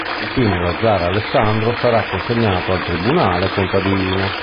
Infine, lo zar Alessandro sarà consegnato al tribunale contadino.